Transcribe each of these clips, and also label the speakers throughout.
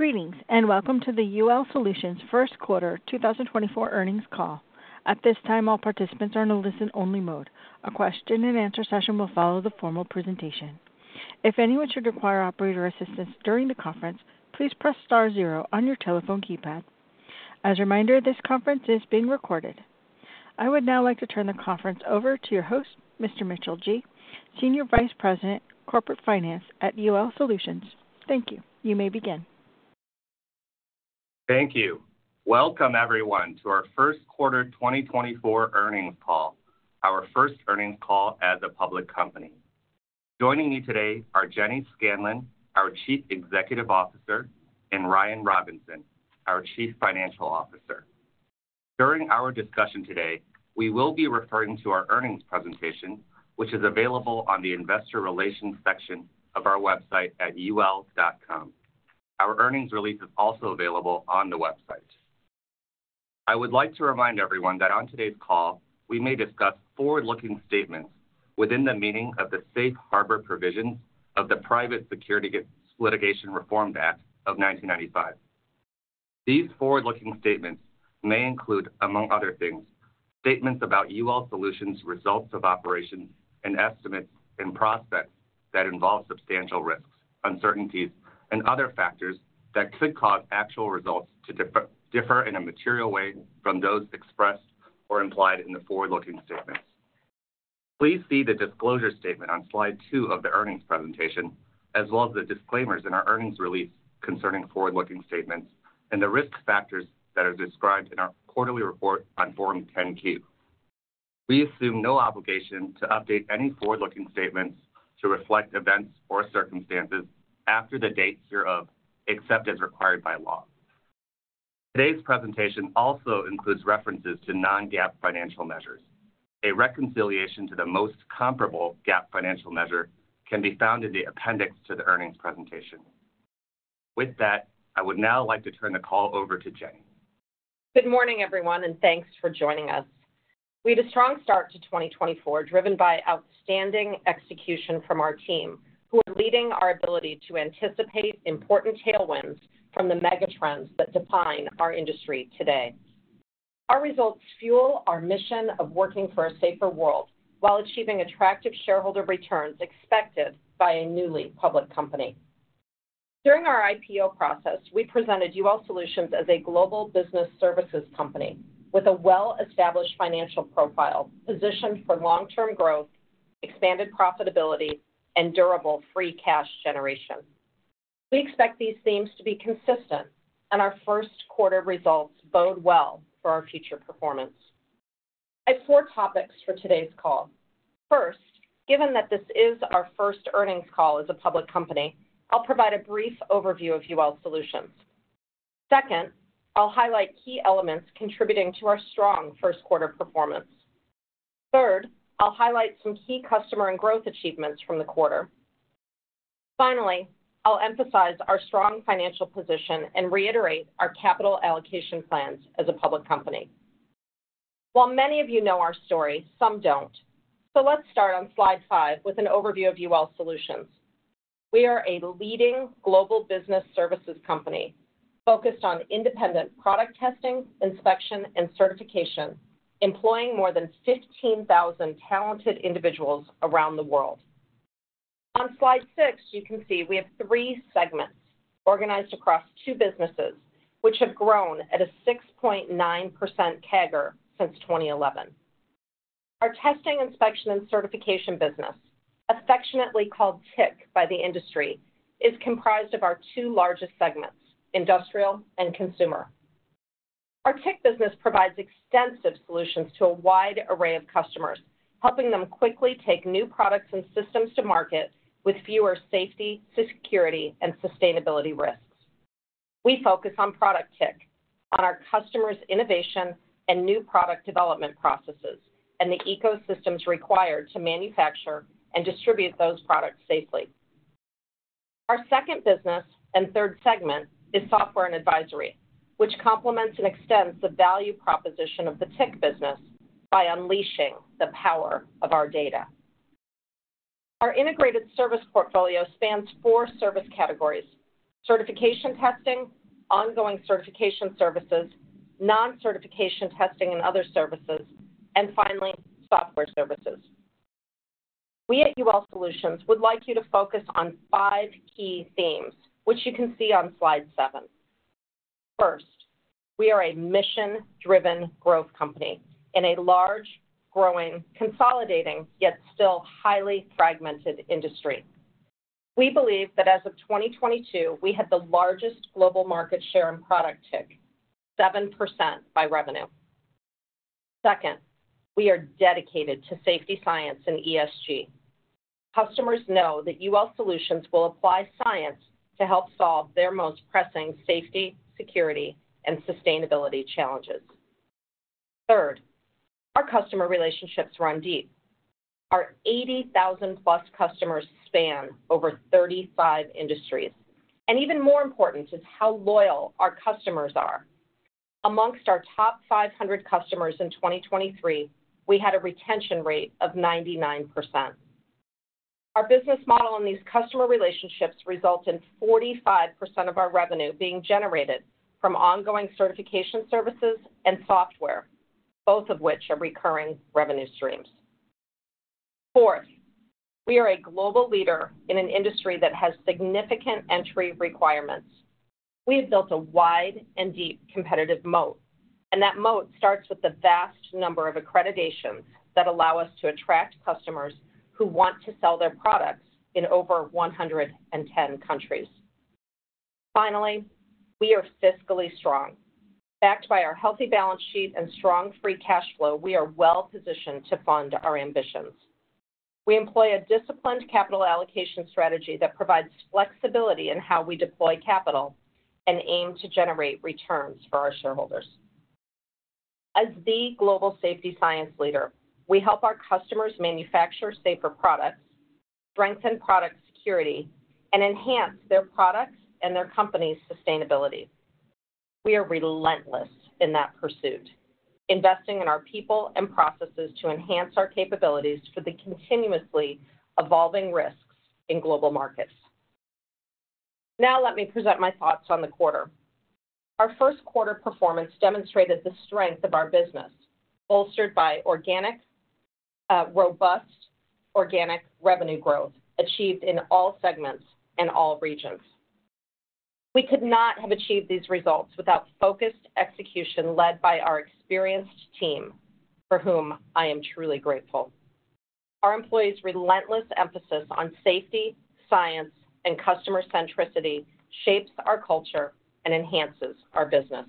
Speaker 1: Greetings, and welcome to the UL Solutions First Quarter 2024 Earnings Call. At this time, all participants are in a listen-only mode. A question-and-answer session will follow the formal presentation. If anyone should require operator assistance during the conference, please press star zero on your telephone keypad. As a reminder, this conference is being recorded. I would now like to turn the conference over to your host, Mr. Mitchell Ji, Senior Vice President, Corporate Finance at UL Solutions. Thank you. You may begin.
Speaker 2: Thank you. Welcome, everyone, to our first quarter 2024 earnings call, our first earnings call as a public company. Joining me today are Jenny Scanlon, our Chief Executive Officer, and Ryan Robinson, our Chief Financial Officer. During our discussion today, we will be referring to our earnings presentation, which is available on the Investor Relations section of our website at ul.com. Our earnings release is also available on the website. I would like to remind everyone that on today's call, we may discuss forward-looking statements within the meaning of the Safe Harbor provisions of the Private Securities Litigation Reform Act of 1995. These forward-looking statements may include, among other things, statements about UL Solutions, results of operations, and estimates and prospects that involve substantial risks, uncertainties, and other factors that could cause actual results to differ, differ in a material way from those expressed or implied in the forward-looking statements. Please see the disclosure statement on slide 2 of the earnings presentation, as well as the disclaimers in our earnings release concerning forward-looking statements and the risk factors that are described in our quarterly report on Form 10-K. We assume no obligation to update any forward-looking statements to reflect events or circumstances after the dates hereof, except as required by law. Today's presentation also includes references to non-GAAP financial measures. A reconciliation to the most comparable GAAP financial measure can be found in the appendix to the earnings presentation. With that, I would now like to turn the call over to Jenny.
Speaker 3: Good morning, everyone, and thanks for joining us. We had a strong start to 2024, driven by outstanding execution from our team, who are leading our ability to anticipate important tailwinds from the megatrends that define our industry today. Our results fuel our mission of working for a safer world while achieving attractive shareholder returns expected by a newly public company. During our IPO process, we presented UL Solutions as a global business services company with a well-established financial profile, positioned for long-term growth, expanded profitability, and durable free cash generation. We expect these themes to be consistent, and our first quarter results bode well for our future performance. I have four topics for today's call. First, given that this is our first earnings call as a public company, I'll provide a brief overview of UL Solutions. Second, I'll highlight key elements contributing to our strong first quarter performance. Third, I'll highlight some key customer and growth achievements from the quarter. Finally, I'll emphasize our strong financial position and reiterate our capital allocation plans as a public company. While many of you know our story, some don't. So let's start on slide 5 with an overview of UL Solutions. We are a leading global business services company focused on independent product testing, inspection, and certification, employing more than 15,000 talented individuals around the world. On slide 6, you can see we have three segments organized across two businesses, which have grown at a 6.9% CAGR since 2011. Our testing, Inspection, and Certification Business, affectionately called TIC by the industry, is comprised of our two largest segments, industrial and consumer. Our TIC business provides extensive solutions to a wide array of customers, helping them quickly take new products and systems to market with fewer safety, security, and sustainability risks. We focus on product TIC, on our customers' innovation and new product development processes, and the ecosystems required to manufacture and distribute those products safely. Our second business and third segment is software and advisory, which complements and extends the value proposition of the TIC business by unleashing the power of our data. Our integrated service portfolio spans four service categories: certification testing, ongoing certification services, non-certification testing and other services, and finally, software services. We at UL Solutions would like you to focus on five key themes, which you can see on slide seven. First, we are a mission-driven growth company in a large, growing, consolidating, yet still highly fragmented industry. We believe that as of 2022, we had the largest global market share in product TIC, 7% by revenue. Second, we are dedicated to safety science and ESG. Customers know that UL Solutions will apply science to help solve their most pressing safety, security, and sustainability challenges. Third, our customer relationships run deep. Our 80,000+ customers span over 35 industries, and even more important is how loyal our customers are. Amongst our top 500 customers in 2023, we had a retention rate of 99%.... Our business model and these customer relationships result in 45% of our revenue being generated from ongoing certification services and software, both of which are recurring revenue streams. Fourth, we are a global leader in an industry that has significant entry requirements. We have built a wide and deep competitive moat, and that moat starts with the vast number of accreditations that allow us to attract customers who want to sell their products in over 110 countries. Finally, we are fiscally strong. Backed by our healthy balance sheet and strong free cash flow, we are well positioned to fund our ambitions. We employ a disciplined capital allocation strategy that provides flexibility in how we deploy capital and aim to generate returns for our shareholders. As the global safety science leader, we help our customers manufacture safer products, strengthen product security, and enhance their products' and their company's sustainability. We are relentless in that pursuit, investing in our people and processes to enhance our capabilities for the continuously evolving risks in global markets. Now let me present my thoughts on the quarter. Our first quarter performance demonstrated the strength of our business, bolstered by organic, robust organic revenue growth achieved in all segments and all regions. We could not have achieved these results without focused execution led by our experienced team, for whom I am truly grateful. Our employees' relentless emphasis on safety, science, and customer centricity shapes our culture and enhances our business.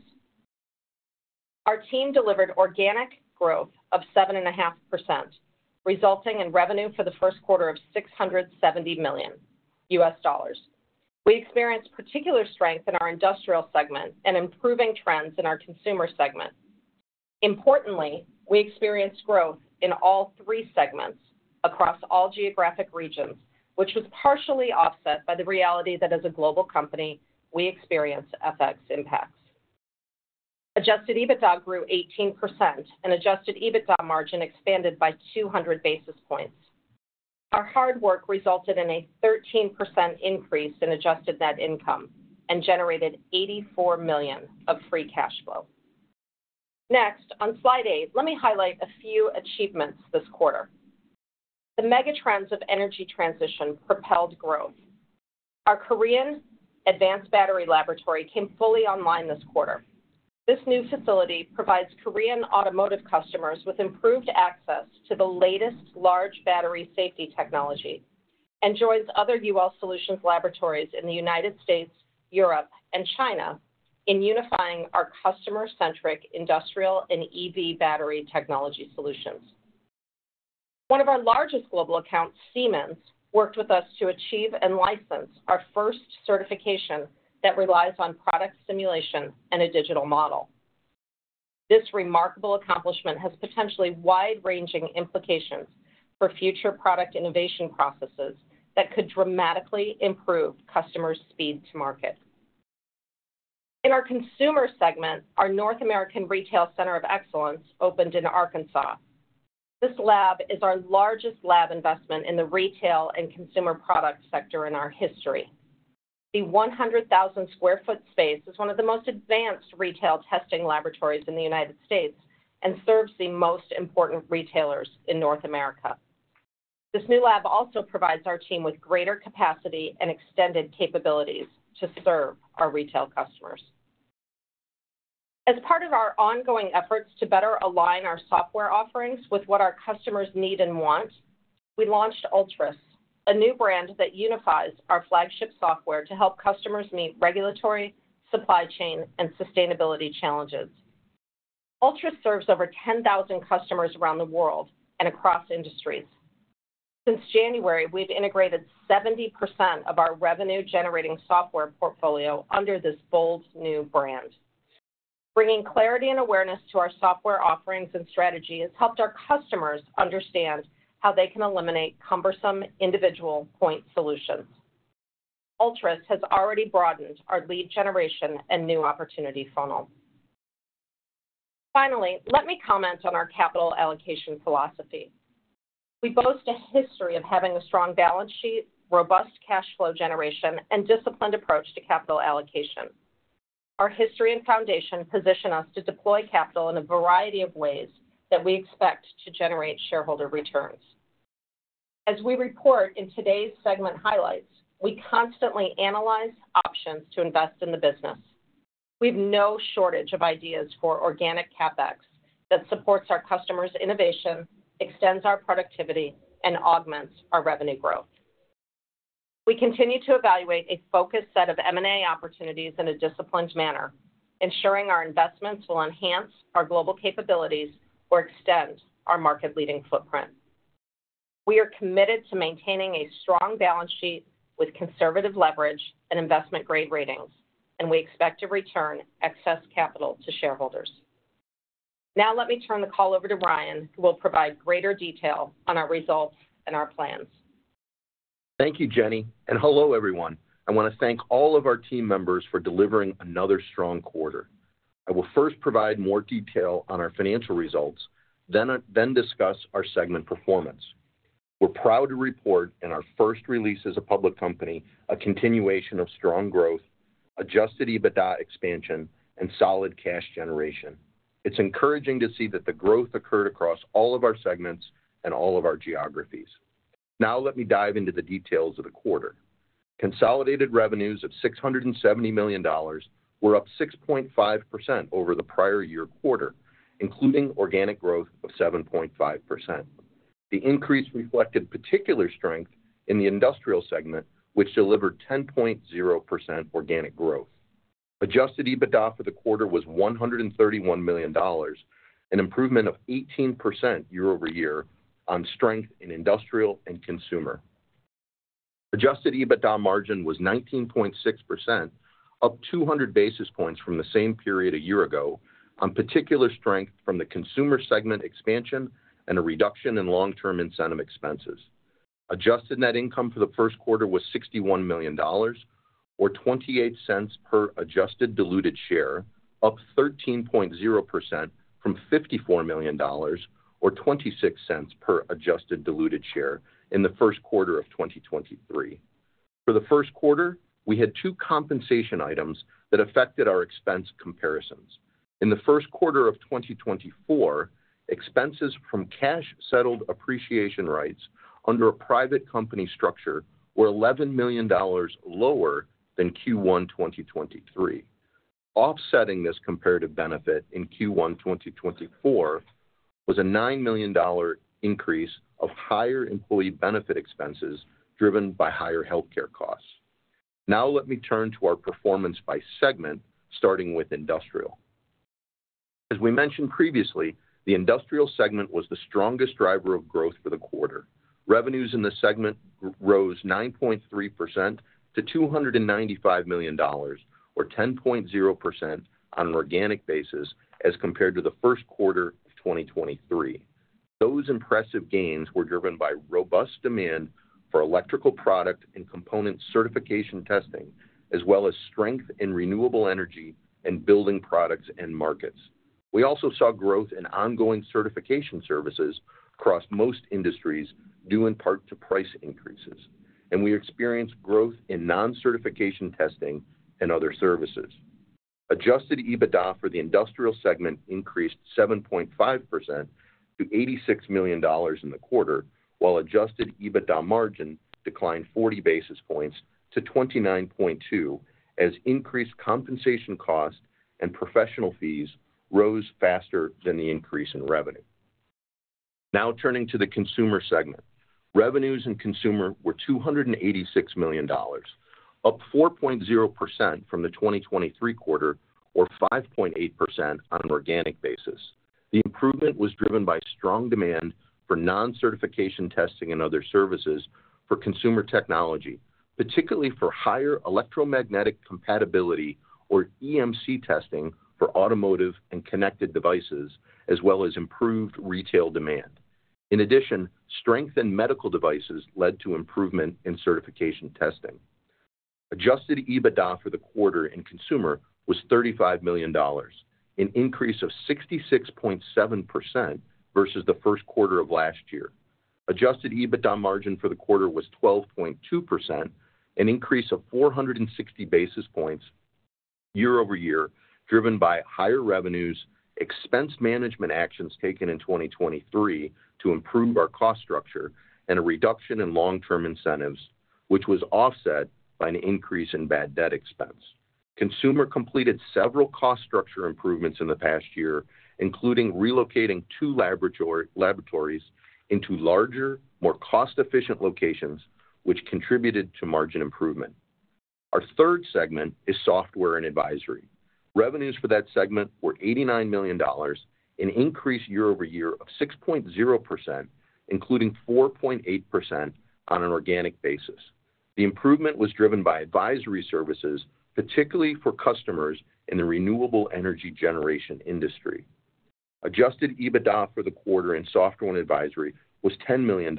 Speaker 3: Our team delivered organic growth of 7.5%, resulting in revenue for the first quarter of $670 million. We experienced particular strength in our industrial segment and improving trends in our consumer segment. Importantly, we experienced growth in all three segments across all geographic regions, which was partially offset by the reality that as a global company, we experience FX impacts. Adjusted EBITDA grew 18%, and adjusted EBITDA margin expanded by 200 basis points. Our hard work resulted in a 13% increase in adjusted net income and generated $84 million of free cash flow. Next, on slide 8, let me highlight a few achievements this quarter. The megatrends of energy transition propelled growth. Our Korean Advanced Battery Laboratory came fully online this quarter. This new facility provides Korean automotive customers with improved access to the latest large battery safety technology, and joins other UL Solutions laboratories in the United States, Europe, and China in unifying our customer-centric industrial and EV battery technology solutions. One of our largest global accounts, Siemens, worked with us to achieve and license our first certification that relies on product simulation and a digital model. This remarkable accomplishment has potentially wide-ranging implications for future product innovation processes that could dramatically improve customers' speed to market. In our consumer segment, our North American Retail Center of Excellence opened in Arkansas. This lab is our largest lab investment in the retail and consumer product sector in our history. The 100,000 sq ft space is one of the most advanced retail testing laboratories in the United States and serves the most important retailers in North America. This new lab also provides our team with greater capacity and extended capabilities to serve our retail customers. As part of our ongoing efforts to better align our software offerings with what our customers need and want, we launched ULTRUS, a new brand that unifies our flagship software to help customers meet regulatory, supply chain, and sustainability challenges. ULTRUS serves over 10,000 customers around the world and across industries. Since January, we've integrated 70% of our revenue-generating software portfolio under this bold new brand. Bringing clarity and awareness to our software offerings and strategy has helped our customers understand how they can eliminate cumbersome individual point solutions. ULTRUS has already broadened our lead generation and new opportunity funnel. Finally, let me comment on our capital allocation philosophy. We boast a history of having a strong balance sheet, robust cash flow generation, and disciplined approach to capital allocation. Our history and foundation position us to deploy capital in a variety of ways that we expect to generate shareholder returns. As we report in today's segment highlights, we constantly analyze options to invest in the business. We've no shortage of ideas for organic CapEx that supports our customers' innovation, extends our productivity, and augments our revenue growth. We continue to evaluate a focused set of M&A opportunities in a disciplined manner, ensuring our investments will enhance our global capabilities or extend our market-leading footprint. We are committed to maintaining a strong balance sheet with conservative leverage and investment-grade ratings, and we expect to return excess capital to shareholders. Now let me turn the call over to Brian, who will provide greater detail on our results and our plans.
Speaker 4: Thank you, Jenny, and hello, everyone. I want to thank all of our team members for delivering another strong quarter. I will first provide more detail on our financial results, then discuss our segment performance. We're proud to report in our first release as a public company, a continuation of strong growth, Adjusted EBITDA expansion, and solid cash generation. It's encouraging to see that the growth occurred across all of our segments and all of our geographies. Now, let me dive into the details of the quarter. Consolidated revenues of $670 million were up 6.5% over the prior year quarter, including organic growth of 7.5%. The increase reflected particular strength in the industrial segment, which delivered 10.0% organic growth. Adjusted EBITDA for the quarter was $131 million, an improvement of 18% year-over-year on strength in industrial and consumer. Adjusted EBITDA margin was 19.6%, up 200 basis points from the same period a year ago, on particular strength from the consumer segment expansion and a reduction in long-term incentive expenses. Adjusted net income for the first quarter was $61 million, or $0.28 per adjusted diluted share, up 13.0% from $54 million, or $0.26 per adjusted diluted share in the first quarter of 2023. For the first quarter, we had two compensation items that affected our expense comparisons. In the first quarter of 2024, expenses from cash-settled appreciation rights under a private company structure were $11 million lower than Q1 2023. Offsetting this comparative benefit in Q1 2024 was a $9 million increase of higher employee benefit expenses, driven by higher healthcare costs. Now, let me turn to our performance by segment, starting with industrial. As we mentioned previously, the industrial segment was the strongest driver of growth for the quarter. Revenues in the segment rose 9.3% to $295 million, or 10.0% on an organic basis, as compared to the first quarter of 2023. Those impressive gains were driven by robust demand for electrical product and component certification testing, as well as strength in renewable energy and building products and markets. We also saw growth in ongoing certification services across most industries, due in part to price increases, and we experienced growth in non-certification testing and other services. Adjusted EBITDA for the industrial segment increased 7.5% to $86 million in the quarter, while adjusted EBITDA margin declined 40 basis points to 29.2, as increased compensation costs and professional fees rose faster than the increase in revenue. Now turning to the consumer segment. Revenues in consumer were $286 million, up 4.0% from the 2023 quarter, or 5.8% on an organic basis. The improvement was driven by strong demand for non-certification testing and other services for consumer technology, particularly for higher electromagnetic compatibility, or EMC testing, for automotive and connected devices, as well as improved retail demand. In addition, strength in medical devices led to improvement in certification testing. Adjusted EBITDA for the quarter in consumer was $35 million, an increase of 66.7% versus the first quarter of last year. Adjusted EBITDA margin for the quarter was 12.2%, an increase of 460 basis points year-over-year, driven by higher revenues, expense management actions taken in 2023 to improve our cost structure, and a reduction in long-term incentives, which was offset by an increase in bad debt expense. Consumer completed several cost structure improvements in the past year, including relocating two laboratories into larger, more cost-efficient locations, which contributed to margin improvement. Our third segment is software and advisory. Revenues for that segment were $89 million, an increase year-over-year of 6.0%, including 4.8% on an organic basis. The improvement was driven by advisory services, particularly for customers in the renewable energy generation industry. Adjusted EBITDA for the quarter in software and advisory was $10 million,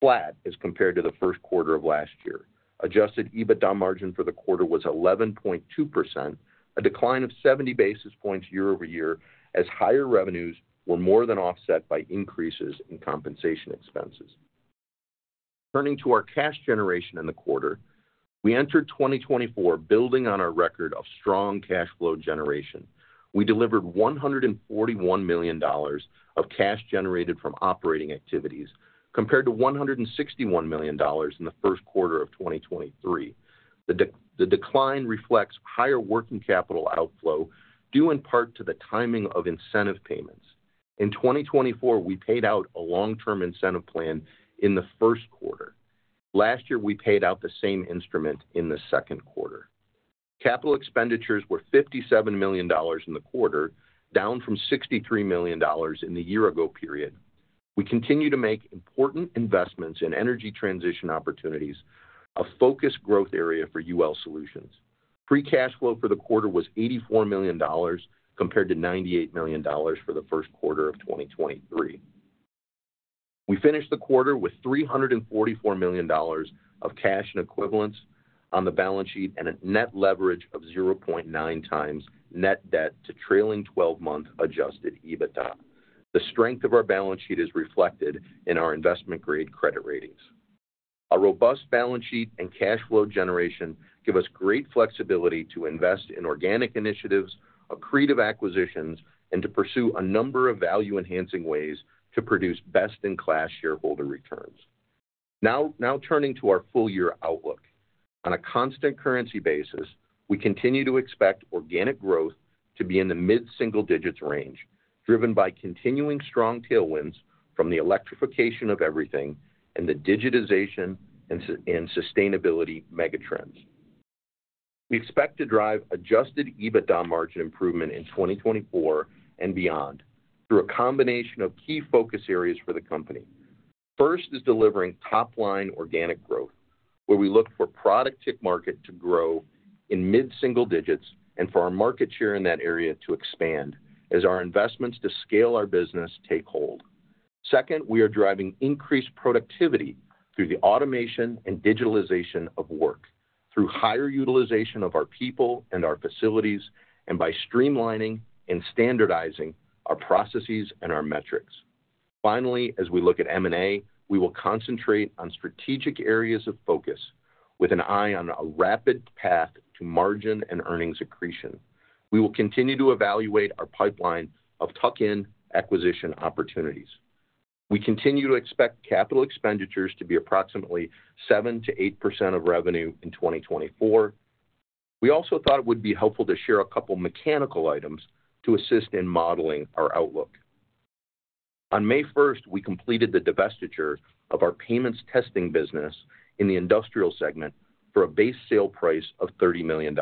Speaker 4: flat as compared to the first quarter of last year. Adjusted EBITDA margin for the quarter was 11.2%, a decline of 70 basis points year-over-year, as higher revenues were more than offset by increases in compensation expenses. Turning to our cash generation in the quarter, we entered 2024 building on our record of strong cash flow generation. We delivered $141 million of cash generated from operating activities, compared to $161 million in the first quarter of 2023. The decline reflects higher working capital outflow, due in part to the timing of incentive payments. In 2024, we paid out a long-term incentive plan in the first quarter. Last year, we paid out the same instrument in the second quarter. Capital expenditures were $57 million in the quarter, down from $63 million in the year ago period. We continue to make important investments in energy transition opportunities, a focused growth area for UL Solutions. Free cash flow for the quarter was $84 million, compared to $98 million for the first quarter of 2023. We finished the quarter with $344 million of cash and equivalents on the balance sheet and a net leverage of 0.9 times net debt to trailing twelve-month Adjusted EBITDA. The strength of our balance sheet is reflected in our investment-grade credit ratings. A robust balance sheet and cash flow generation give us great flexibility to invest in organic initiatives, accretive acquisitions, and to pursue a number of value-enhancing ways to produce best-in-class shareholder returns. Now turning to our full-year outlook. On a constant currency basis, we continue to expect organic growth to be in the mid-single digits range, driven by continuing strong tailwinds from the electrification of everything and the digitization and sustainability megatrends. We expect to drive adjusted EBITDA margin improvement in 2024 and beyond through a combination of key focus areas for the company. First is delivering top-line organic growth, where we look for product TIC market to grow in mid-single digits and for our market share in that area to expand as our investments to scale our business take hold. Second, we are driving increased productivity through the automation and digitalization of work, through higher utilization of our people and our facilities, and by streamlining and standardizing our processes and our metrics. Finally, as we look at M&A, we will concentrate on strategic areas of focus with an eye on a rapid path to margin and earnings accretion. We will continue to evaluate our pipeline of tuck-in acquisition opportunities. We continue to expect capital expenditures to be approximately 7%-8% of revenue in 2024. We also thought it would be helpful to share a couple mechanical items to assist in modeling our outlook. On May first, we completed the divestiture of our payments testing business in the industrial segment for a base sale price of $30 million.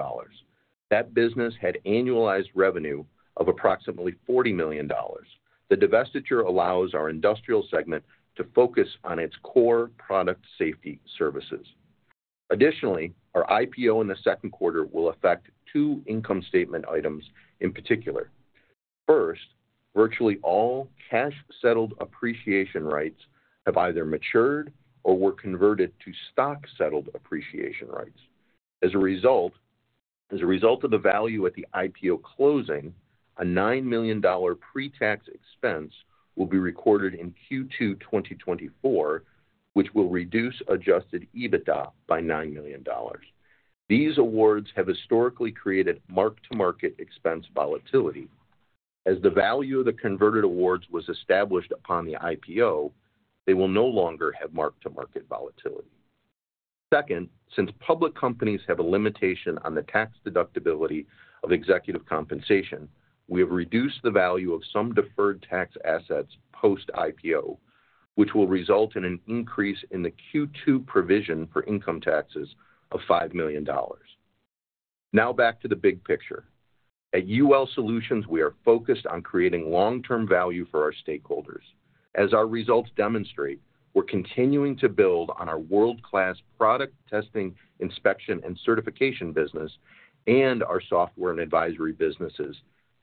Speaker 4: That business had annualized revenue of approximately $40 million. The divestiture allows our industrial segment to focus on its core product safety services. Additionally, our IPO in the second quarter will affect two income statement items in particular. First, virtually all cash-settled appreciation rights have either matured or were converted to stock-settled appreciation rights. As a result, as a result of the value at the IPO closing, a $9 million pre-tax expense will be recorded in Q2 2024, which will reduce Adjusted EBITDA by $9 million. These awards have historically created mark-to-market expense volatility. As the value of the converted awards was established upon the IPO, they will no longer have mark-to-market volatility. Second, since public companies have a limitation on the tax deductibility of executive compensation, we have reduced the value of some deferred tax assets post-IPO, which will result in an increase in the Q2 provision for income taxes of $5 million. Now back to the big picture. At UL Solutions, we are focused on creating long-term value for our stakeholders. As our results demonstrate, we're continuing to build on our world-class product testing, inspection, and certification business and our software and advisory businesses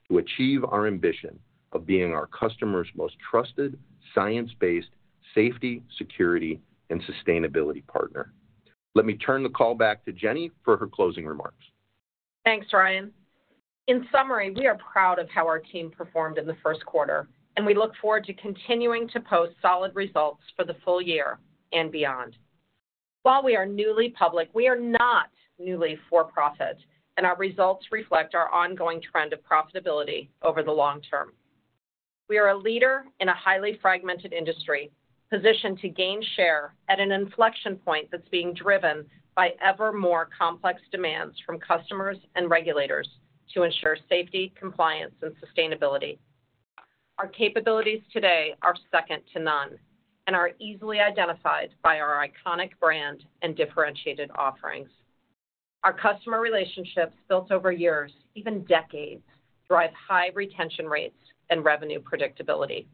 Speaker 4: to achieve our ambition of being our customers' most trusted, science-based, safety, security, and sustainability partner. Let me turn the call back to Jenny for her closing remarks.
Speaker 3: Thanks, Ryan. In summary, we are proud of how our team performed in the first quarter, and we look forward to continuing to post solid results for the full year and beyond. While we are newly public, we are not newly for-profit, and our results reflect our ongoing trend of profitability over the long term. We are a leader in a highly fragmented industry, positioned to gain share at an inflection point that's being driven by ever more complex demands from customers and regulators to ensure safety, compliance, and sustainability. Our capabilities today are second to none and are easily identified by our iconic brand and differentiated offerings. Our customer relationships, built over years, even decades, drive high retention rates and revenue predictability.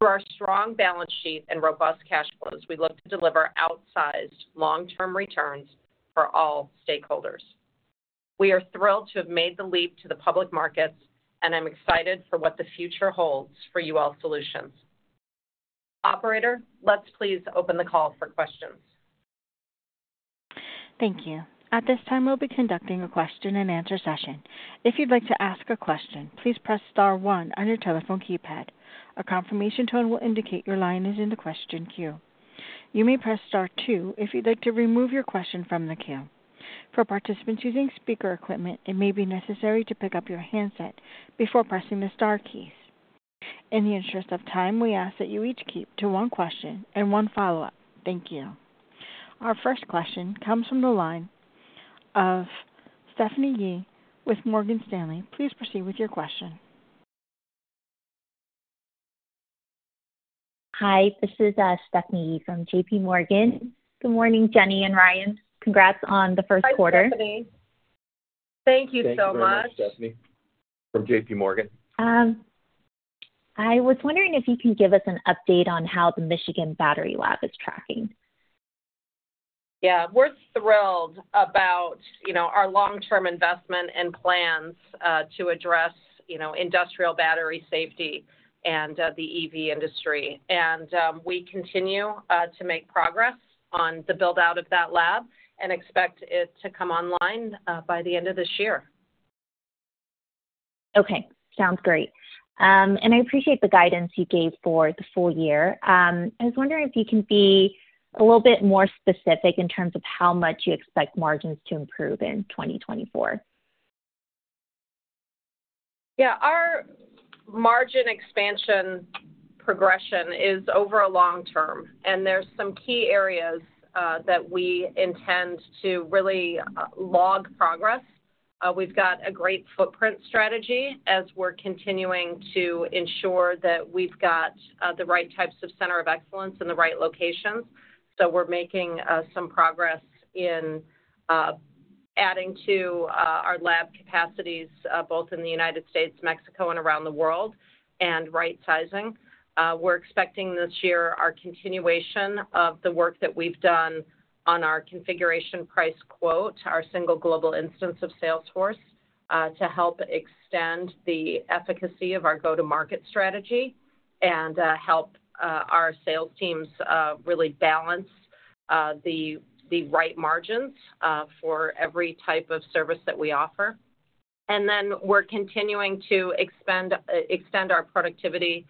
Speaker 3: Through our strong balance sheet and robust cash flows, we look to deliver outsized long-term returns for all stakeholders. We are thrilled to have made the leap to the Public Markets, and I'm excited for what the future holds for UL Solutions. Operator, let's please open the call for questions.
Speaker 1: Thank you. At this time, we'll be conducting a question-and-answer session. If you'd like to ask a question, please press star one on your telephone keypad. A confirmation tone will indicate your line is in the question queue. You may press star two if you'd like to remove your question from the queue. For participants using speaker equipment, it may be necessary to pick up your handset before pressing the star keys. In the interest of time, we ask that you each keep to one question and one follow-up. Thank you. Our first question comes from the line of Stephanie Yee with Morgan Stanley. Please proceed with your question.
Speaker 5: Hi, this is Stephanie Yee from J.P. Morgan. Good morning, Jenny and Ryan. Congrats on the first quarter.
Speaker 3: Hi, Stephanie. Thank you so much.
Speaker 4: Thank you very much, Stephanie, from J.P. Morgan....
Speaker 6: I was wondering if you can give us an update on how the Michigan Battery Lab is tracking?
Speaker 3: Yeah, we're thrilled about, you know, our long-term investment and plans to address, you know, industrial battery safety and the EV industry. We continue to make progress on the build-out of that lab and expect it to come online by the end of this year.
Speaker 5: Okay, sounds great. And I appreciate the guidance you gave for the full year. I was wondering if you can be a little bit more specific in terms of how much you expect margins to improve in 2024.
Speaker 3: Yeah, our margin expansion progression is over a long term, and there's some key areas that we intend to really log progress. We've got a great footprint strategy as we're continuing to ensure that we've got the right types of center of excellence in the right locations. So we're making some progress in adding to our lab capacities both in the United States, Mexico, and around the world, and right sizing. We're expecting this year our continuation of the work that we've done on our configuration price quote, our single global instance of Salesforce, to help extend the efficacy of our go-to-market strategy and help our sales teams really balance the right margins for every type of service that we offer. Then we're continuing to expand and extend our productivity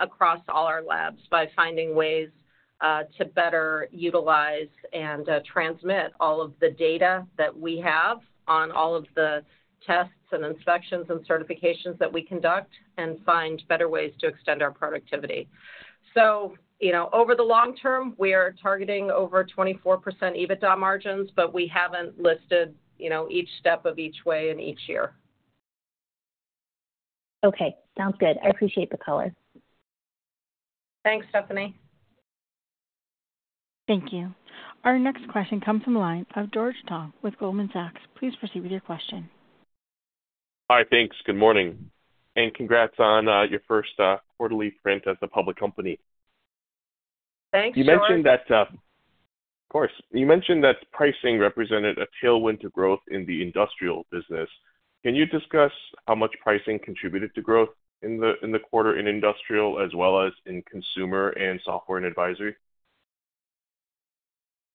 Speaker 3: across all our labs by finding ways to better utilize and transmit all of the data that we have on all of the tests and inspections and certifications that we conduct and find better ways to extend our productivity. So, you know, over the long term, we are targeting over 24% EBITDA margins, but we haven't listed, you know, each step of each way in each year.
Speaker 6: Okay, sounds good. I appreciate the color.
Speaker 3: Thanks, Stephanie.
Speaker 1: Thank you. Our next question comes from the line of George Tong with Goldman Sachs. Please proceed with your question.
Speaker 7: Hi, thanks. Good morning, and congrats on your first quarterly print as a public company.
Speaker 3: Thanks, George.
Speaker 7: You mentioned that. Of course. You mentioned that pricing represented a tailwind to growth in the industrial business. Can you discuss how much pricing contributed to growth in the, in the quarter in industrial as well as in consumer and software and advisory?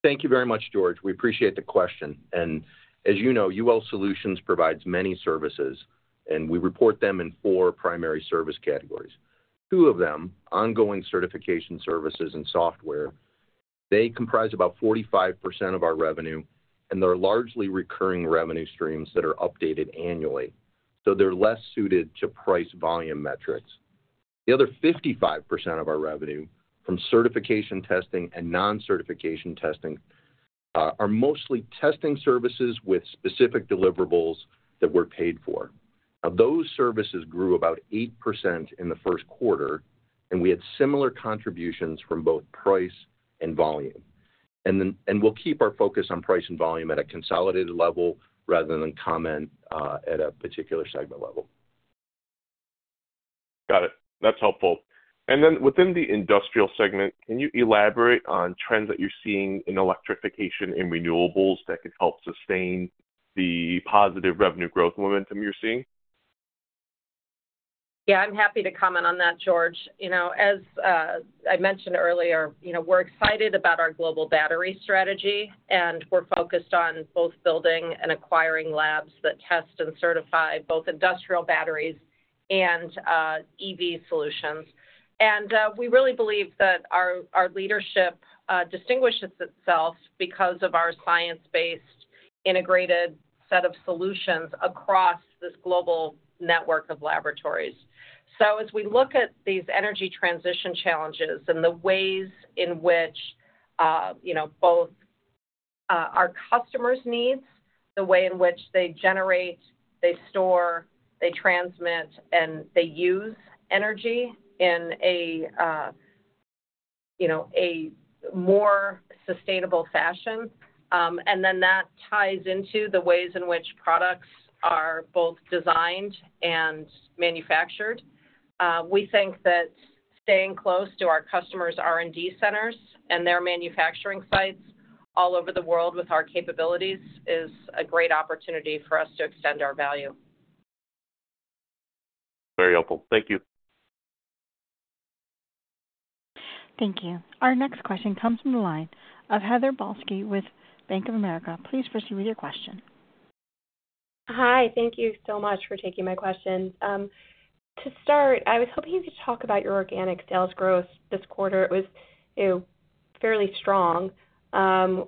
Speaker 4: Thank you very much, George. We appreciate the question, and as you know, UL Solutions provides many services, and we report them in four primary service categories. Two of them, ongoing certification services and software, they comprise about 45% of our revenue, and they're largely recurring revenue streams that are updated annually, so they're less suited to price volume metrics. The other 55% of our revenue, from certification testing and non-certification testing, are mostly testing services with specific deliverables that we're paid for. Now, those services grew about 8% in the first quarter, and we had similar contributions from both price and volume. And we'll keep our focus on price and volume at a consolidated level rather than comment at a particular segment level.
Speaker 7: Got it. That's helpful. And then within the industrial segment, can you elaborate on trends that you're seeing in electrification and renewables that could help sustain the positive revenue growth momentum you're seeing?
Speaker 3: Yeah, I'm happy to comment on that, George. You know, as I mentioned earlier, you know, we're excited about our global battery strategy, and we're focused on both building and acquiring labs that test and certify both industrial batteries and EV solutions. And we really believe that our leadership distinguishes itself because of our science-based, integrated set of solutions across this global network of laboratories. So as we look at these energy transition challenges and the ways in which you know, both our customers' needs, the way in which they generate, they store, they transmit, and they use energy in a you know, a more sustainable fashion, and then that ties into the ways in which products are both designed and manufactured. We think that staying close to our customers' R&D centers and their manufacturing sites all over the world with our capabilities is a great opportunity for us to extend our value.
Speaker 7: Very helpful. Thank you.
Speaker 1: Thank you. Our next question comes from the line of Heather Balsky with Bank of America. Please proceed with your question.
Speaker 5: Hi, thank you so much for taking my question. To start, I was hoping you could talk about your organic sales growth this quarter. It was, you know, fairly strong.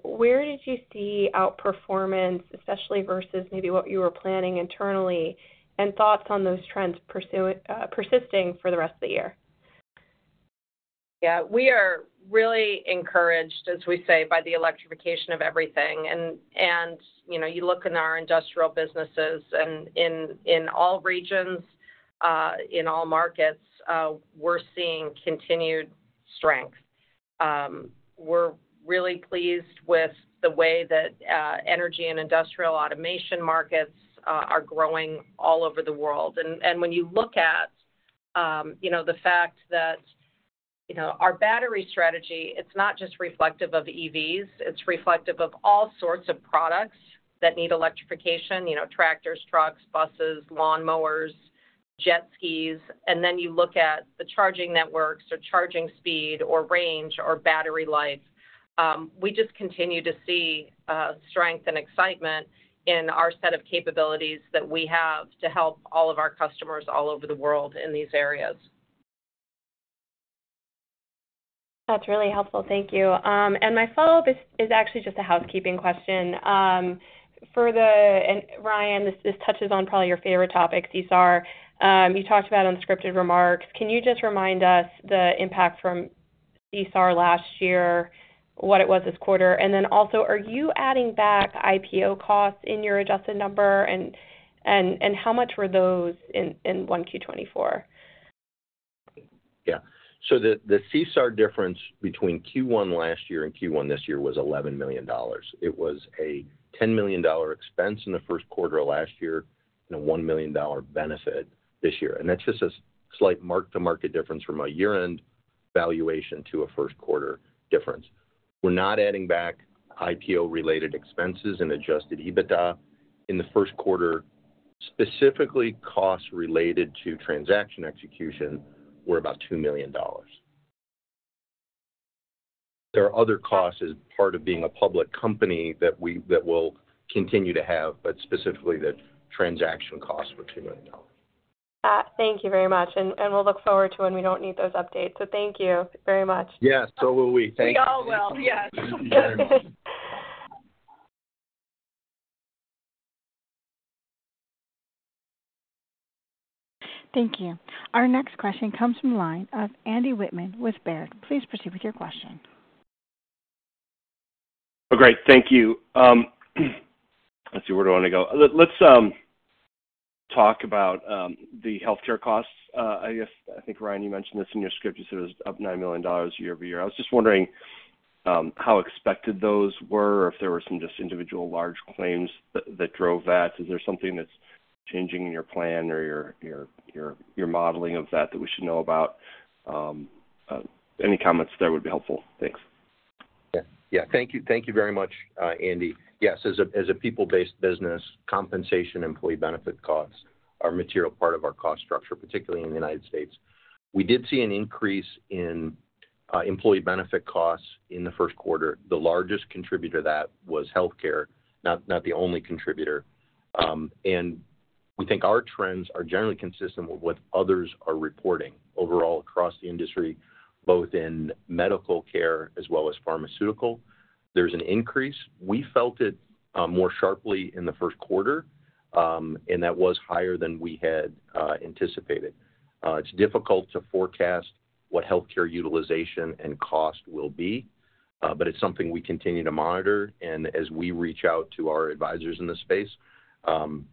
Speaker 5: Where did you see outperformance, especially versus maybe what you were planning internally, and thoughts on those trends persisting for the rest of the year?
Speaker 3: Yeah, we are really encouraged, as we say, by the electrification of everything. And, you know, you look in our industrial businesses and in all regions, in all markets, we're seeing continued strength. We're really pleased with the way that energy and industrial automation markets are growing all over the world. And when you look at, you know, the fact that, you know, our battery strategy, it's not just reflective of EVs, it's reflective of all sorts of products that need electrification, you know, tractors, trucks, buses, lawnmowers, jet skis. And then you look at the charging networks or charging speed or range or battery life, we just continue to see strength and excitement in our set of capabilities that we have to help all of our customers all over the world in these areas.
Speaker 5: That's really helpful. Thank you. My follow-up is actually just a housekeeping question. And Ryan, this touches on probably your favorite topic, CSAR. You talked about unscripted remarks. Can you just remind us the impact from CSAR last year, what it was this quarter? And then also, are you adding back IPO costs in your adjusted number, and how much were those in 1Q 2024?
Speaker 4: Yeah. So the CSAR difference between Q1 last year and Q1 this year was $11 million. It was a $10 million expense in the first quarter of last year and a $1 million benefit this year. And that's just a slight mark to market difference from a year-end valuation to a first quarter difference. We're not adding back IPO-related expenses and adjusted EBITDA. In the first quarter, specifically, costs related to transaction execution were about $2 million. There are other costs as part of being a public company that we'll continue to have, but specifically, the transaction costs were $2 million.
Speaker 5: Thank you very much, and we'll look forward to when we don't need those updates. So thank you very much.
Speaker 4: Yes, so will we. Thank you.
Speaker 3: We all will. Yes.
Speaker 4: Thank you very much.
Speaker 1: Thank you. Our next question comes from the line of Andy Wittman with Baird. Please proceed with your question.
Speaker 8: Oh, great. Thank you. Let's see, where do I want to go? Let's talk about the healthcare costs. I guess I think, Ryan, you mentioned this in your script. You said it was up $9 million year-over-year. I was just wondering how expected those were, or if there were some just individual large claims that drove that. Is there something that's changing in your plan or your modeling of that that we should know about? Any comments there would be helpful. Thanks.
Speaker 4: Yeah. Yeah, thank you. Thank you very much, Andy. Yes, as a people-based business, compensation and employee benefit costs are a material part of our cost structure, particularly in the United States. We did see an increase in employee benefit costs in the first quarter. The largest contributor to that was healthcare, not the only contributor. We think our trends are generally consistent with what others are reporting overall across the industry, both in medical care as well as pharmaceutical. There's an increase. We felt it more sharply in the first quarter, and that was higher than we had anticipated. It's difficult to forecast what healthcare utilization and cost will be, but it's something we continue to monitor. As we reach out to our advisors in this space,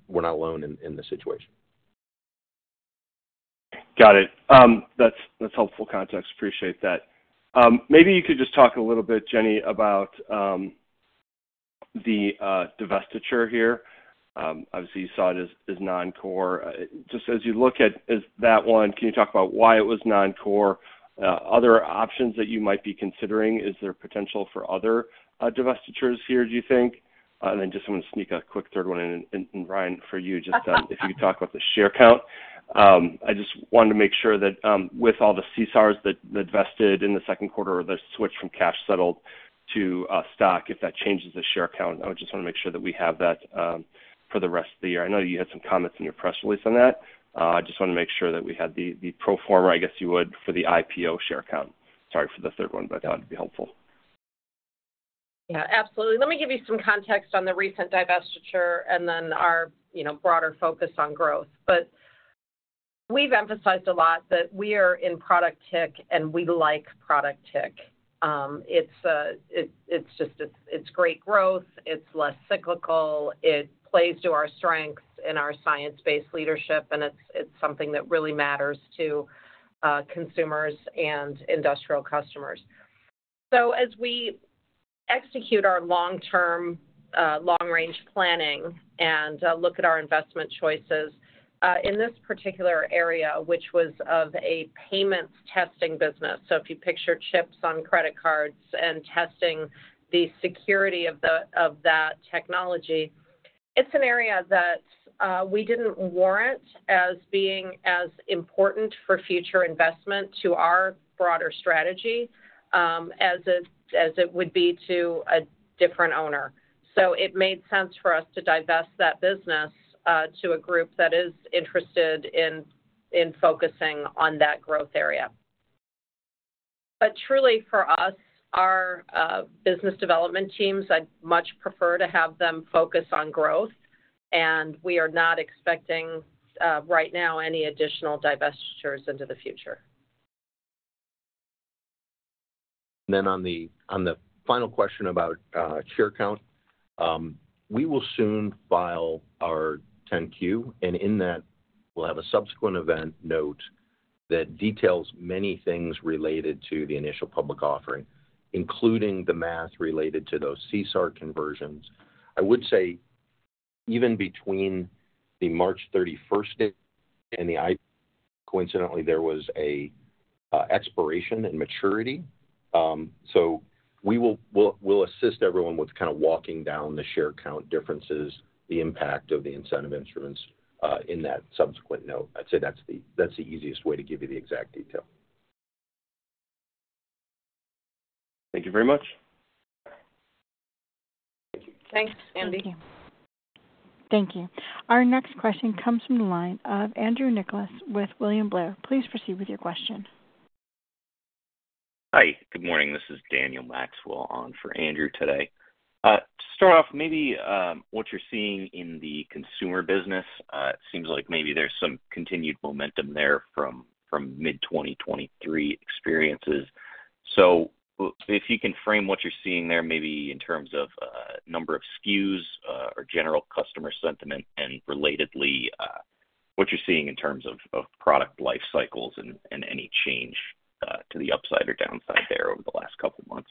Speaker 4: we're not alone in this situation.
Speaker 9: Got it. That's, that's helpful context. Appreciate that. Maybe you could just talk a little bit, Jenny, about the divestiture here. Obviously, you saw it as, as non-core. Just as you look at, as that one, can you talk about why it was non-core, other options that you might be considering? Is there potential for other, divestitures here, do you think? And then just want to sneak a quick third one in, and, and Ryan, for you, just, if you could talk about the share count. I just wanted to make sure that, with all the CSARs that, that vested in the second quarter or the switch from cash settled to, stock, if that changes the share count. I would just wanna make sure that we have that, for the rest of the year. I know you had some comments in your press release on that. I just wanna make sure that we had the pro forma, I guess you would, for the IPO share count. Sorry for the third one, but that would be helpful.
Speaker 3: Yeah, absolutely. Let me give you some context on the recent divestiture and then our, you know, broader focus on growth. But we've emphasized a lot that we are in product tech, and we like product tech. It's just, it's great growth, it's less cyclical, it plays to our strengths and our science-based leadership, and it's something that really matters to consumers and industrial customers. So as we execute our long-term long-range planning and look at our investment choices in this particular area, which was of a payments testing business, so if you picture chips on credit cards and testing the security of that technology, it's an area that we didn't warrant as being as important for future investment to our broader strategy as it would be to a different owner. So it made sense for us to divest that business, to a group that is interested in, in focusing on that growth area. But truly, for us, our, business development teams, I'd much prefer to have them focus on growth, and we are not expecting, right now any additional divestitures into the future.
Speaker 4: And then on the final question about share count. We will soon file our 10-Q, and in that, we'll have a subsequent event note that details many things related to the initial public offering, including the math related to those CSAR conversions. I would say, even between the March 31 date and the IPO, coincidentally, there was an expiration and maturity. So we will assist everyone with kind of walking down the share count differences, the impact of the incentive instruments, in that subsequent note. I'd say that's the easiest way to give you the exact detail.
Speaker 5: Thank you very much.
Speaker 3: Thank you.
Speaker 5: Thanks, Andy.
Speaker 1: Thank you. Thank you. Our next question comes from the line of Andrew Nicholas with William Blair. Please proceed with your question.
Speaker 8: Hi, good morning. This is Daniel Maxwell on for Andrew today. To start off, maybe, what you're seeing in the consumer business. It seems like maybe there's some continued momentum there from, from mid-2023 experiences. So if you can frame what you're seeing there, maybe in terms of, number of SKUs, or general customer sentiment, and relatedly, what you're seeing in terms of, of product life cycles and, and any change, to the upside or downside there over the last couple of months.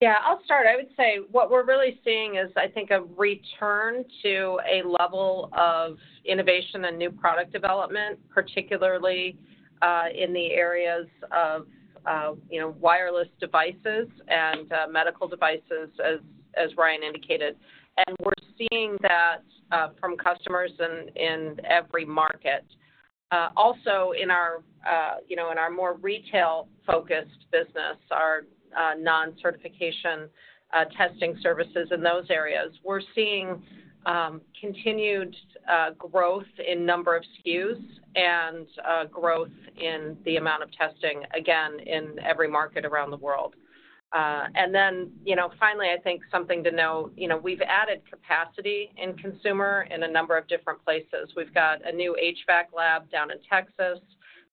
Speaker 3: Yeah, I'll start. I would say what we're really seeing is, I think, a return to a level of innovation and new product development, particularly in the areas of you know, wireless devices and medical devices, as Ryan indicated. And we're seeing that from customers in every market. Also in our you know, in our more retail-focused business, our non-certification testing services in those areas. We're seeing continued growth in number of SKUs and growth in the amount of testing, again, in every market around the world. And then, you know, finally, I think something to know, you know, we've added capacity in consumer in a number of different places. We've got a new HVAC lab down in Texas.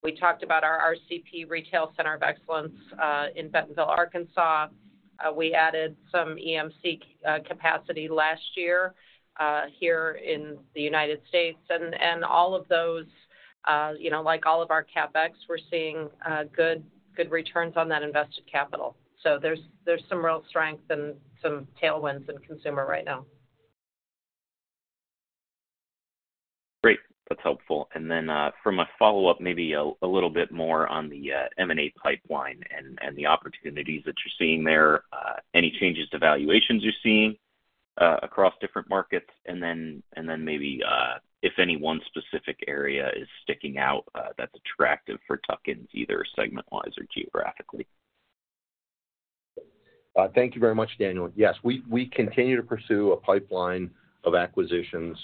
Speaker 3: We talked about our RCP, Retail Center of Excellence in Bentonville, Arkansas. We added some EMC capacity last year here in the United States. And all of those, you know, like all of our CapEx, we're seeing good, good returns on that invested capital. So there's some real strength and some tailwinds in consumer right now.
Speaker 10: Great. That's helpful. And then, from a follow-up, maybe a little bit more on the M&A pipeline and the opportunities that you're seeing there. Any changes to valuations you're seeing across different markets? And then, maybe if any one specific area is sticking out that's attractive for tuck-ins, either segment-wise or geographically.
Speaker 4: Thank you very much, Daniel. Yes, we continue to pursue a pipeline of acquisitions,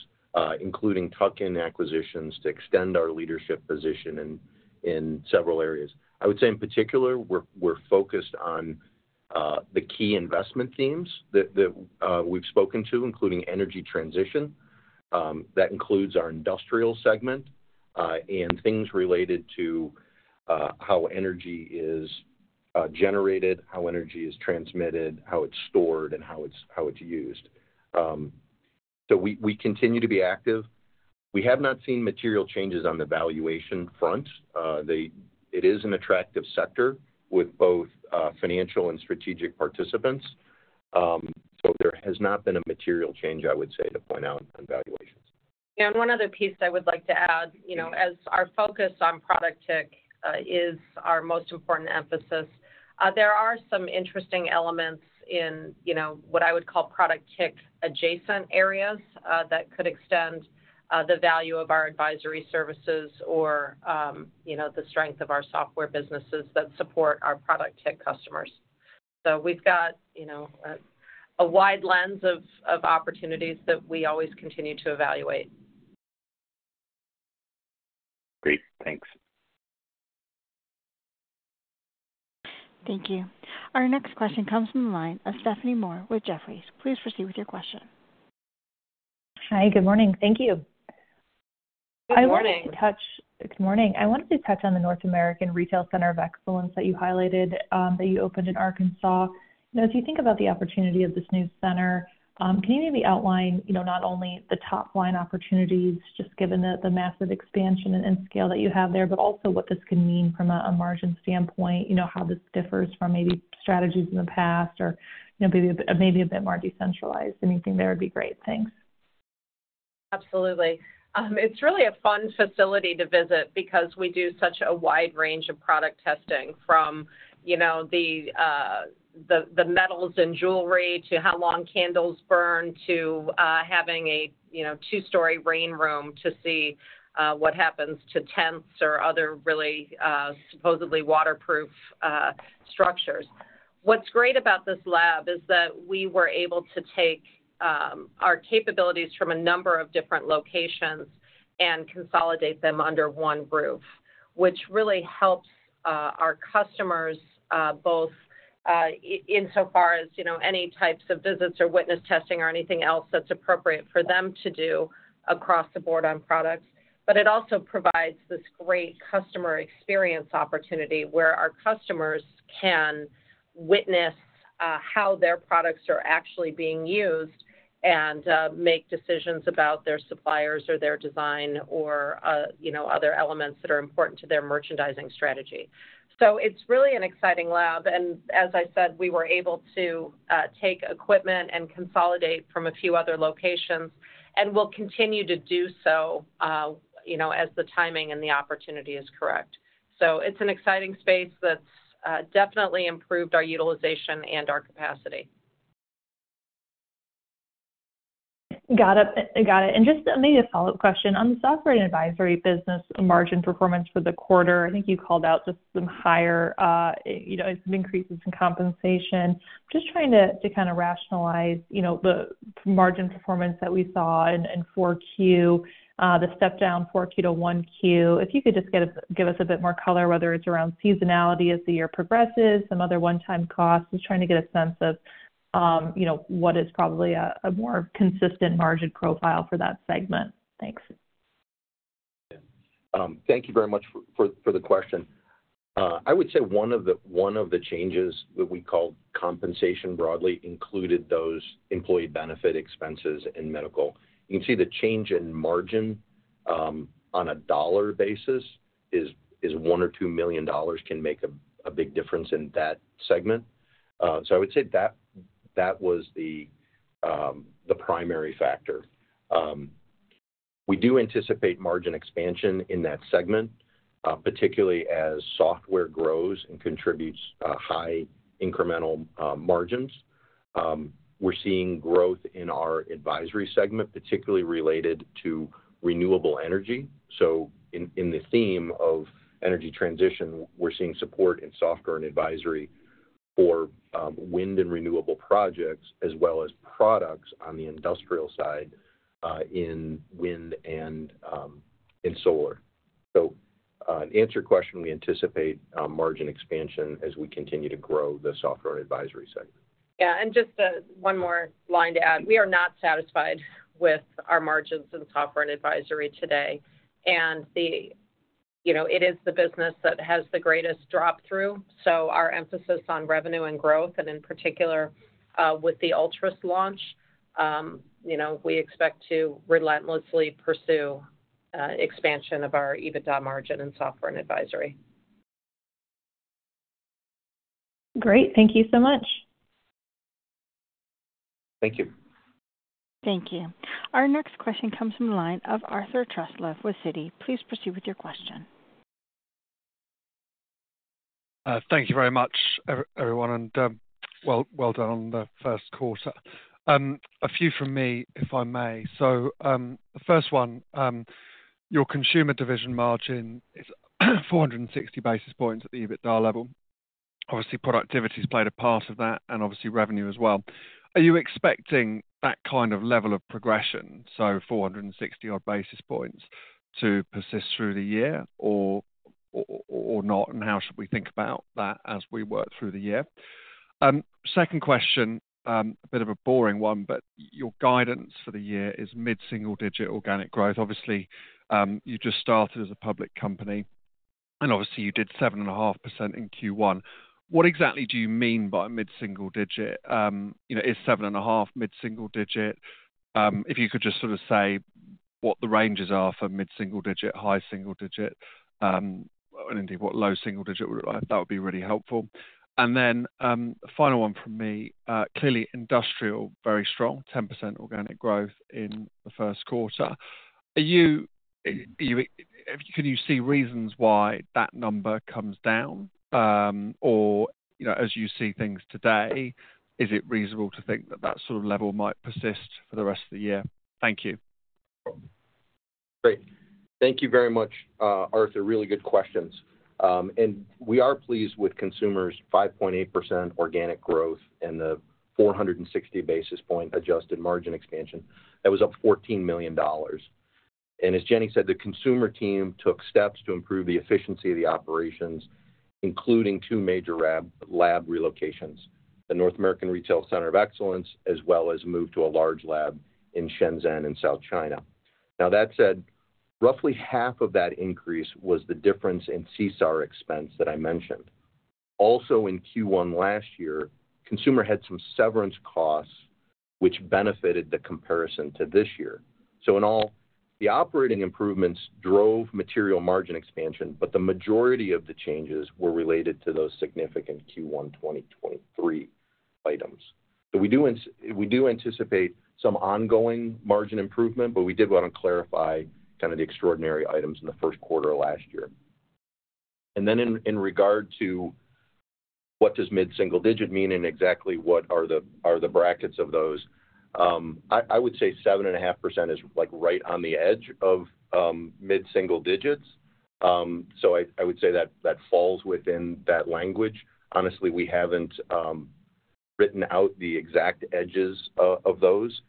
Speaker 4: including tuck-in acquisitions, to extend our leadership position in several areas. I would say in particular, we're focused on the key investment themes that we've spoken to, including energy transition. That includes our industrial segment, and things related to how energy is generated, how energy is transmitted, how it's stored, and how it's used. So we continue to be active. We have not seen material changes on the valuation front. It is an attractive sector with both financial and strategic participants. So there has not been a material change, I would say, to point out on valuations.
Speaker 3: Yeah, and one other piece I would like to add, you know, as our focus on product TIC is our most important emphasis, there are some interesting elements in, you know, what I would call product TIC-adjacent areas that could extend the value of our advisory services or, you know, the strength of our software businesses that support our product TIC customers. So we've got, you know, a wide lens of opportunities that we always continue to evaluate.
Speaker 8: Great, thanks.
Speaker 1: Thank you. Our next question comes from the line of Stephanie Moore with Jefferies. Please proceed with your question.
Speaker 11: Hi, good morning. Thank you.
Speaker 3: Good morning.
Speaker 11: Good morning. I wanted to touch on the North American Retail Center of Excellence that you highlighted, that you opened in Arkansas. You know, as you think about the opportunity of this new center, can you maybe outline, you know, not only the top-line opportunities, just given the massive expansion and scale that you have there, but also what this could mean from a margin standpoint, you know, how this differs from maybe strategies in the past or, you know, maybe a bit more decentralized? Anything there would be great. Thanks.
Speaker 3: Absolutely. It's really a fun facility to visit because we do such a wide range of product testing from, you know, the metals in jewelry to how long candles burn, to having a, you know, two-story rain room to see what happens to tents or other really supposedly waterproof structures. What's great about this lab is that we were able to take our capabilities from a number of different locations and consolidate them under one roof, which really helps our customers both insofar as, you know, any types of visits or witness testing or anything else that's appropriate for them to do across the board on products. But it also provides this great customer experience opportunity, where our customers can witness-... how their products are actually being used and make decisions about their suppliers or their design or, you know, other elements that are important to their merchandising strategy. So it's really an exciting lab, and as I said, we were able to take equipment and consolidate from a few other locations, and we'll continue to do so, you know, as the timing and the opportunity is correct. So it's an exciting space that's definitely improved our utilization and our capacity.
Speaker 11: Got it. Got it. And just maybe a follow-up question on the software and advisory business margin performance for the quarter. I think you called out just some higher, you know, some increases in compensation. Just trying to, to kind of rationalize, you know, the margin performance that we saw in 4Q, the step down 4Q to 1Q. If you could just give us, give us a bit more color, whether it's around seasonality as the year progresses, some other one-time costs. Just trying to get a sense of, you know, what is probably a more consistent margin profile for that segment. Thanks.
Speaker 4: Thank you very much for the question. I would say one of the changes that we call compensation broadly included those employee benefit expenses in medical. You can see the change in margin on a dollar basis. $1-$2 million can make a big difference in that segment. So I would say that was the primary factor. We do anticipate margin expansion in that segment, particularly as software grows and contributes high incremental margins. We're seeing growth in our advisory segment, particularly related to renewable energy. So in the theme of energy transition, we're seeing support in software and advisory for wind and renewable projects, as well as products on the industrial side in wind and in solar. To answer your question, we anticipate margin expansion as we continue to grow the software and advisory segment.
Speaker 3: Yeah, and just, one more line to add. We are not satisfied with our margins in software and advisory today. And the, you know, it is the business that has the greatest drop through. So our emphasis on revenue and growth, and in particular, with the Altra's launch, you know, we expect to relentlessly pursue expansion of our EBITDA margin in software and advisory.
Speaker 11: Great. Thank you so much.
Speaker 4: Thank you.
Speaker 1: Thank you. Our next question comes from the line of Arthur Truslove with Citi. Please proceed with your question.
Speaker 12: Thank you very much, everyone, and well done on the first quarter. A few from me, if I may. So, the first one, your consumer division margin is 460 basis points at the EBITDA level. Obviously, productivity's played a part of that and obviously revenue as well. Are you expecting that kind of level of progression, so 460-odd basis points, to persist through the year or not, and how should we think about that as we work through the year? Second question, a bit of a boring one, but your guidance for the year is mid-single digit organic growth. Obviously, you just started as a public company, and obviously, you did 7.5% in Q1. What exactly do you mean by mid-single digit? You know, is 7.5 mid-single digit? If you could just sort of say what the ranges are for mid-single digit, high single digit, and indeed what low single digit would look like, that would be really helpful. And then, final one from me, clearly, industrial, very strong, 10% organic growth in the first quarter. Can you see reasons why that number comes down? Or, you know, as you see things today, is it reasonable to think that that sort of level might persist for the rest of the year? Thank you.
Speaker 4: Great. Thank you very much, Arthur. Really good questions. And we are pleased with consumer's 5.8% organic growth and the 460 basis point adjusted margin expansion. That was up $14 million. As Jenny said, the consumer team took steps to improve the efficiency of the operations, including two major lab relocations, the North American Retail Center of Excellence, as well as move to a large lab in Shenzhen in South China. Now, that said, roughly half of that increase was the difference in CSAR expense that I mentioned. Also, in Q1 last year, consumer had some severance costs, which benefited the comparison to this year. So in all, the operating improvements drove material margin expansion, but the majority of the changes were related to those significant Q1 2023 items. So we do anticipate some ongoing margin improvement, but we did want to clarify kind of the extraordinary items in the first quarter of last year. And then in regard to what does mid-single digit mean and exactly what are the brackets of those, I would say 7.5% is, like, right on the edge of mid-single digits. So I would say that falls within that language. Honestly, we haven't written out the exact edges of those.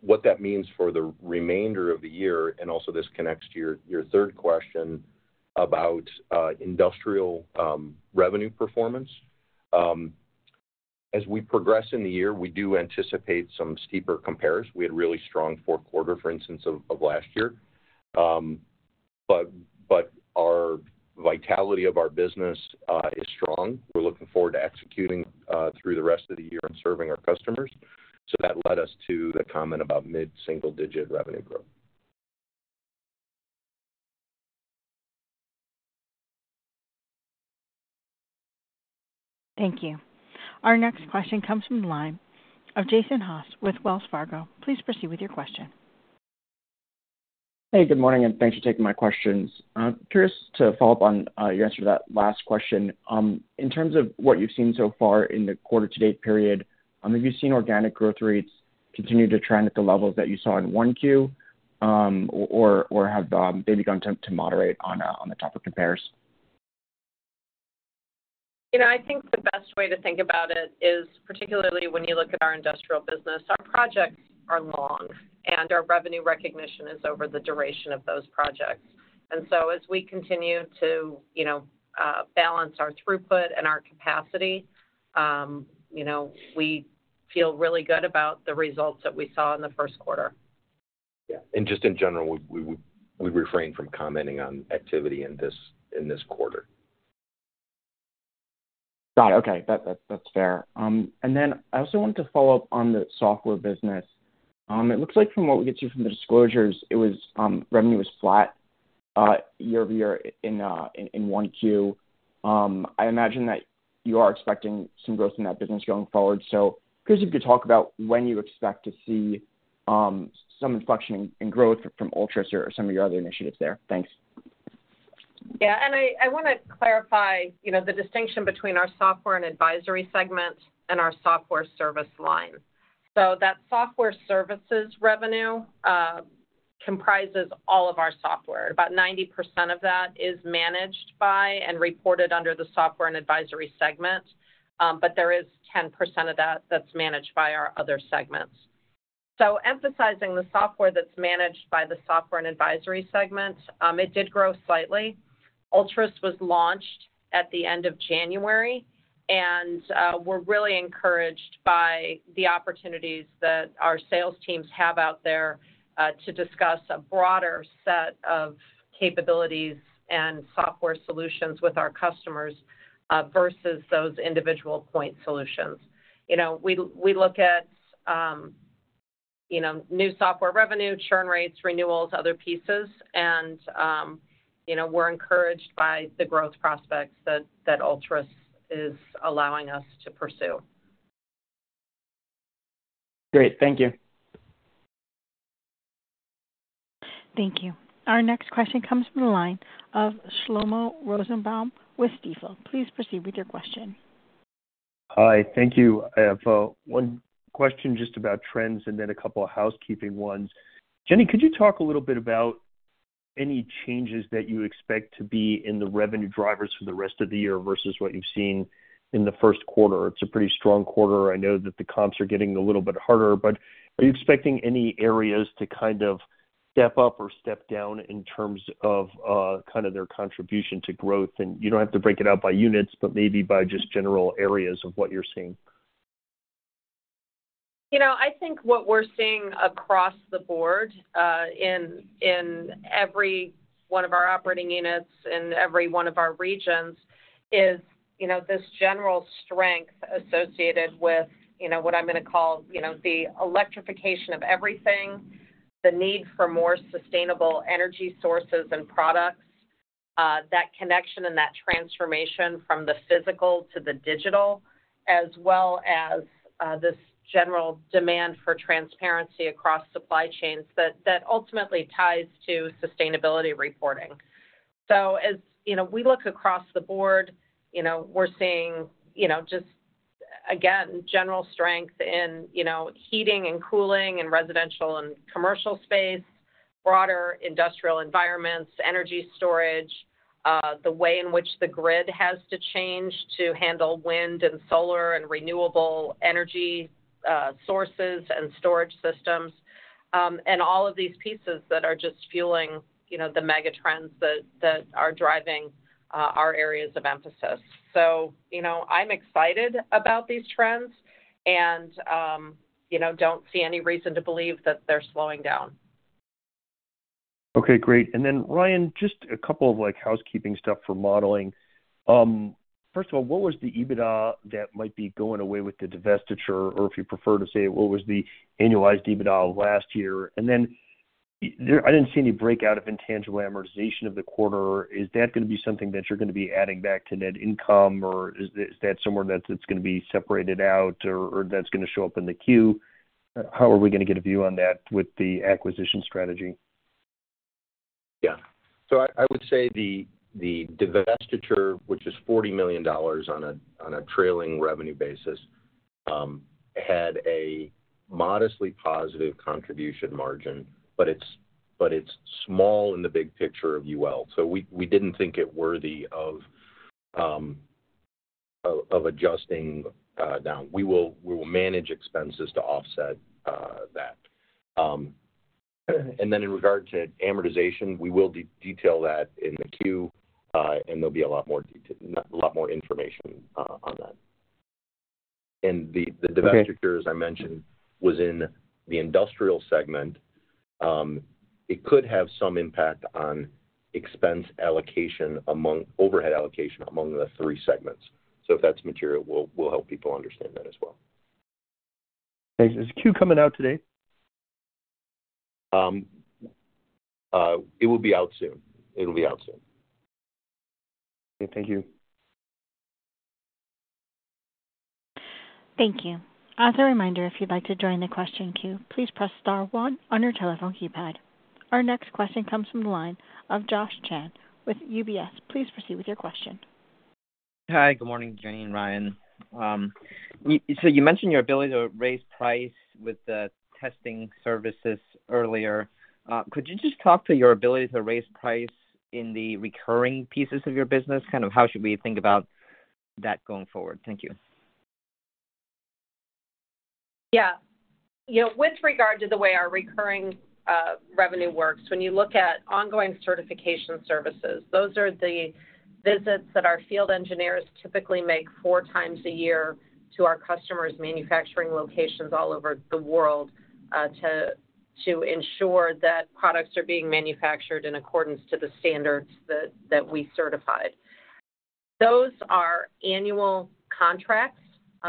Speaker 4: What that means for the remainder of the year, and also this connects to your third question about industrial revenue performance. As we progress in the year, we do anticipate some steeper compares. We had a really strong fourth quarter, for instance, of last year. But our vitality of our business is strong. We're looking forward to executing through the rest of the year and serving our customers. So that led us to the comment about mid-single-digit revenue growth.
Speaker 1: Thank you. Our next question comes from the line of Jason Haas with Wells Fargo. Please proceed with your question.
Speaker 5: Hey, good morning, and thanks for taking my questions. I'm curious to follow up on your answer to that last question. In terms of what you've seen so far in the quarter to date period, have you seen organic growth rates continue to trend at the levels that you saw in 1Q, or have they begun to moderate on the topic compares?
Speaker 3: You know, I think the best way to think about it is, particularly when you look at our industrial business, our projects are long, and our revenue recognition is over the duration of those projects. And so as we continue to, you know, balance our throughput and our capacity, you know, we feel really good about the results that we saw in the first quarter.
Speaker 4: Yeah, and just in general, we refrain from commenting on activity in this quarter.
Speaker 5: Got it. Okay, that, that's fair. Then I also wanted to follow up on the software business. It looks like from what we get you from the disclosures, it was revenue was flat year-over-year in Q1. I imagine that you are expecting some growth in that business going forward. So curious if you could talk about when you expect to see some inflection in growth from ULTRUS or some of your other initiatives there. Thanks.
Speaker 3: Yeah, and I wanna clarify, you know, the distinction between our software and advisory segment and our software service line. So that software services revenue comprises all of our software. About 90% of that is managed by and reported under the software and advisory segment, but there is 10% of that that's managed by our other segments. So emphasizing the software that's managed by the software and advisory segment, it did grow slightly. ULTRUS was launched at the end of January, and we're really encouraged by the opportunities that our sales teams have out there to discuss a broader set of capabilities and software solutions with our customers versus those individual point solutions. You know, we look at, you know, new software revenue, churn rates, renewals, other pieces, and, you know, we're encouraged by the growth prospects that ULTRUS is allowing us to pursue.
Speaker 5: Great. Thank you.
Speaker 1: Thank you. Our next question comes from the line of Shlomo Rosenbaum with Stifel. Please proceed with your question.
Speaker 13: Hi, thank you. I have one question just about trends and then a couple of housekeeping ones. Jenny, could you talk a little bit about any changes that you expect to be in the revenue drivers for the rest of the year versus what you've seen in the first quarter? It's a pretty strong quarter. I know that the comps are getting a little bit harder, but are you expecting any areas to kind of step up or step down in terms of kind of their contribution to growth? And you don't have to break it out by units, but maybe by just general areas of what you're seeing.
Speaker 3: You know, I think what we're seeing across the board in every one of our operating units, in every one of our regions is, you know, this general strength associated with, you know, what I'm gonna call, you know, the electrification of everything, the need for more sustainable energy sources and products, that connection and that transformation from the physical to the digital, as well as this general demand for transparency across supply chains, that ultimately ties to sustainability reporting. So as you know, we look across the board, you know, we're seeing, you know, just, again, general strength in, you know, heating and cooling in residential and commercial space, broader industrial environments, energy storage, the way in which the grid has to change to handle wind and solar and renewable energy, sources and storage systems, and all of these pieces that are just fueling, you know, the mega trends that, that are driving, our areas of emphasis. So, you know, I'm excited about these trends and, you know, don't see any reason to believe that they're slowing down.
Speaker 13: Okay, great. And then, Ryan, just a couple of, like, housekeeping stuff for modeling. First of all, what was the EBITDA that might be going away with the divestiture? Or if you prefer to say, what was the annualized EBITDA last year? And then there, I didn't see any breakout of intangible amortization of the quarter. Is that gonna be something that you're gonna be adding back to net income, or is that somewhere that's, it's gonna be separated out, or, or that's gonna show up in the Q? How are we gonna get a view on that with the acquisition strategy?
Speaker 4: Yeah. So I would say the divestiture, which is $40 million on a trailing revenue basis, had a modestly positive contribution margin, but it's small in the big picture of UL. So we didn't think it worthy of adjusting down. We will manage expenses to offset that. And then in regard to amortization, we will detail that in the Q, and there'll be a lot more information on that. And the divestiture, as I mentioned, was in the industrial segment. It could have some impact on overhead allocation among the three segments. So if that's material, we'll help people understand that as well.
Speaker 13: Thanks. Is Q coming out today?
Speaker 4: It will be out soon. It'll be out soon.
Speaker 13: Okay. Thank you.
Speaker 1: Thank you. As a reminder, if you'd like to join the question queue, please press star one on your telephone keypad. Our next question comes from the line of Josh Chan with UBS. Please proceed with your question.
Speaker 14: Hi, good morning, Jennifer and Ryan. So you mentioned your ability to raise price with the testing services earlier. Could you just talk to your ability to raise price in the recurring pieces of your business? Kind of, how should we think about that going forward? Thank you.
Speaker 3: Yeah. You know, with regard to the way our recurring revenue works, when you look at ongoing certification services, those are the visits that our field engineers typically make four times a year to our customers' manufacturing locations all over the world to ensure that products are being manufactured in accordance to the standards that we certified. Those are annual contracts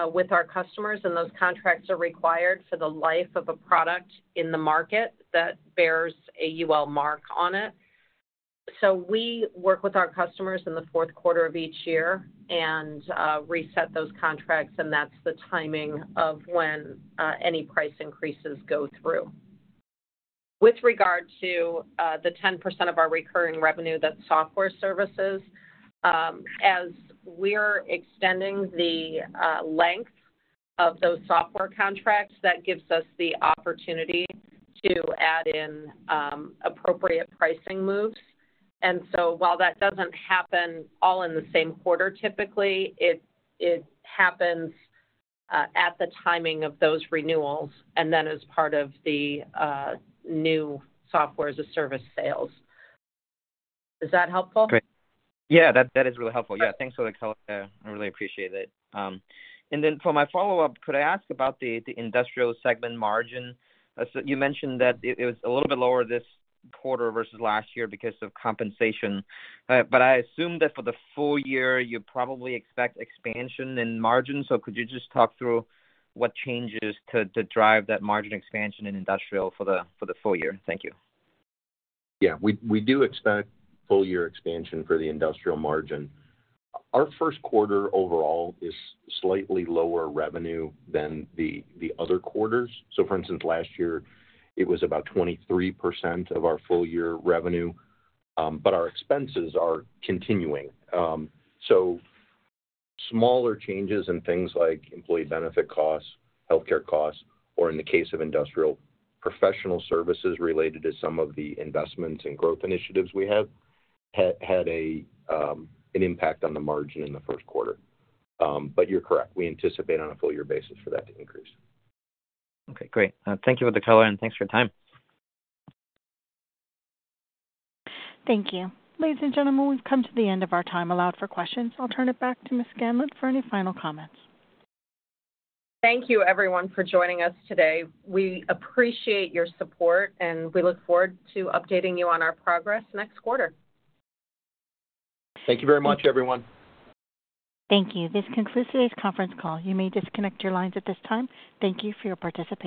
Speaker 3: with our customers, and those contracts are required for the life of a product in the market that bears a UL Mark on it. So we work with our customers in the fourth quarter of each year and reset those contracts, and that's the timing of when any price increases go through. With regard to the 10% of our recurring revenue, that's software services. As we're extending the length of those software contracts, that gives us the opportunity to add in appropriate pricing moves. And so while that doesn't happen all in the same quarter, typically, it happens at the timing of those renewals and then as part of the new software as a service sales. Is that helpful?
Speaker 14: Great. Yeah, that is really helpful. Yeah, thanks for the color. I really appreciate it. And then for my follow-up, could I ask about the industrial segment margin? So you mentioned that it was a little bit lower this quarter versus last year because of compensation. But I assume that for the full year, you probably expect expansion in margins. So could you just talk through what changes to drive that margin expansion in industrial for the full year? Thank you.
Speaker 4: Yeah, we do expect full year expansion for the industrial margin. Our first quarter overall is slightly lower revenue than the other quarters. So for instance, last year it was about 23% of our full year revenue, but our expenses are continuing. So smaller changes in things like employee benefit costs, healthcare costs, or in the case of industrial, professional services related to some of the investments and growth initiatives we had an impact on the margin in the first quarter. But you're correct, we anticipate on a full year basis for that to increase.
Speaker 14: Okay, great. Thank you for the color and thanks for your time.
Speaker 1: Thank you. Ladies and gentlemen, we've come to the end of our time allowed for questions. I'll turn it back to Ms. Scanlon for any final comments.
Speaker 3: Thank you, everyone, for joining us today. We appreciate your support, and we look forward to updating you on our progress next quarter.
Speaker 4: Thank you very much, everyone.
Speaker 1: Thank you. This concludes today's conference call. You may disconnect your lines at this time. Thank you for your participation.